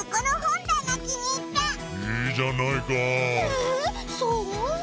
えそう？